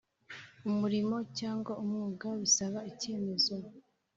umurimo cyangwa umwuga bisaba icyemezo,